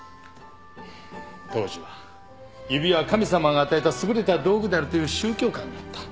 当時は指は神様が与えた優れた道具であるという宗教観があった。